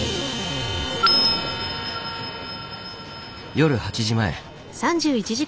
夜８時前。